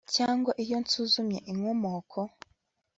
Cyangwa iyo nsuzumye inkomoko